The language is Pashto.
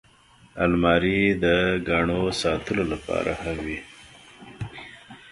الماري د ګاڼو ساتلو لپاره هم وي